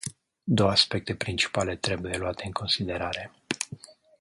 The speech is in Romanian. Două aspecte principale trebuie luate în considerare.